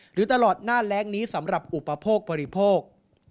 หรือตลอดหน้าแรงนี้สำหรับอุปโภคบริโภค